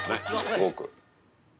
すごく。